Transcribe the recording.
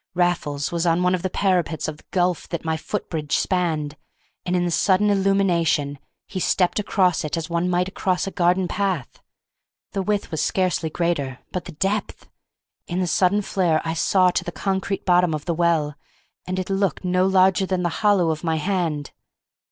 Raffles was on one of the parapets of the gulf that my foot bridge spanned, and in the sudden illumination he stepped across it as one might across a garden path. The width was scarcely greater, but the depth! In the sudden flare I saw to the concrete bottom of the well, and it looked no larger than the hollow of my hand.